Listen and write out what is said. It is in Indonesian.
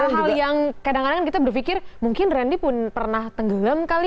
hal hal yang kadang kadang kita berpikir mungkin randy pun pernah tenggelam kali